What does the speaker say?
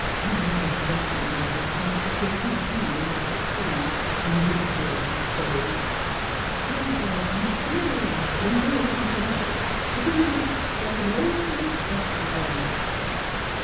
An' what a blessin' our conse crated zeal might 64 NEIGHBORS V proved in this 'ere household! Prayer V praise from mornin' till night, a goin' up like an altar o' sacrifice."